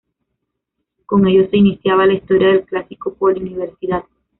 Con ello se iniciaba la historia del "Clásico Poli-Universidad".